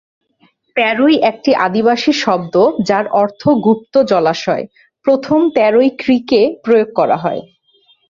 তেরোই একটি আদিবাসী শব্দ যার অর্থ "গুপ্ত জলাশয়", প্রথম তেরোই ক্রিকে প্রয়োগ করা হয়।